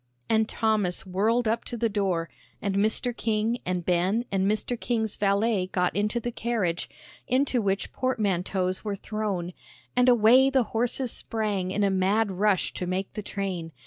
And Thomas whirled up to the door, and Mr. King and Ben and Mr. King's valet got into the carriage, into which portmanteaus were thrown, and away the horses sprang in a mad rush to make the train.